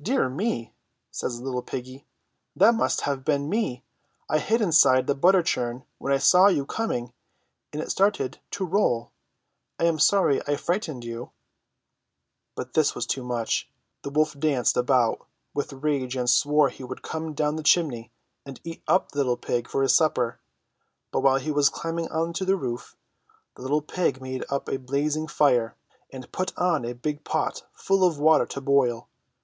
"Dear me!" says the little piggy, "that must have been me ! I hid inside the butter churn when I saw you coming, and it started to roll ! I am sorry I frightened you !" But this was too much. The wolf danced about with rage and swore he would come down the chimney and eat up the little pig for his supper. But while he was climbing on to the roof the little pig made up a blazing fire and put on a big pot full of water to boil.